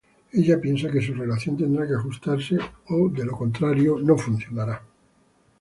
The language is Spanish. Ella piensa que su relación tendrá que ajustarse o de lo contrario no funcionará.